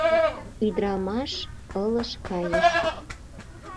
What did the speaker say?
Ӱдырамаш ылыж кайыш.